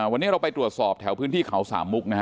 วันนี้เราไปตรวจสอบแถวพื้นที่เขาสามมุกนะฮะ